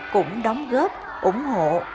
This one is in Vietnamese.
cũng đóng góp ủng hộ